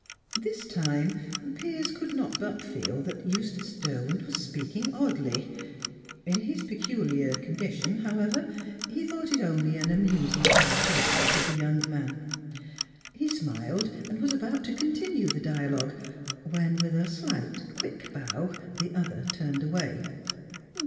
This time, Piers could not but feel that Eustace Derwent was speaking oddly. In his peculiar condition, however, he thought it only an amusing characteristic of the young man. He smiled, and was about to continue the dialogue, when, with a slight, quick bow, the other turned away.